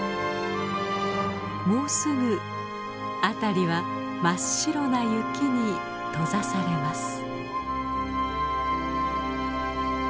もうすぐ辺りは真っ白な雪に閉ざされます。